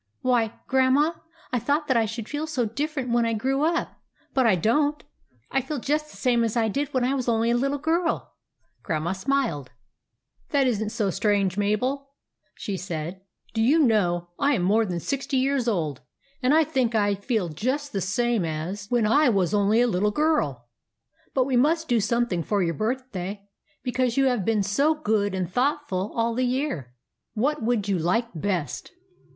Why, Grandma, I thought that I should feel so different when I grew up ; but I don't. I feel just the same as I did when I was only a little girl." Grandma smiled. "That isn't strange, Mabel," she said. " Do you know, I am more than sixty years old, and I think I feel just the same as n6 THE ADVENTURES OF MABEL when / was only a little girl. But we must do something for your birthday, because you have been so good and thoughtful all the year. What would you like best